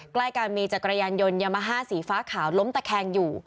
ใกล้กันมีจักรยานยนต์ยามาฮ่าสีฟ้าขาวล้มตะแคงอยู่